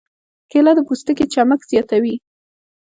کېله د پوستکي چمک زیاتوي.